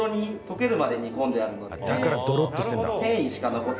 だからドロッとしてるんだ。